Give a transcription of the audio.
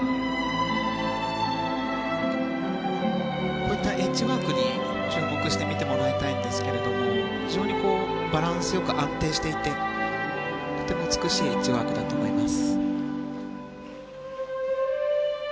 こういったエッジワークに注目して見てもらいたいんですが非常にバランスよく安定していてとても美しいエッジワークだと思います。